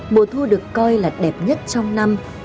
mùa thu được coi là đẹp nhất trong năm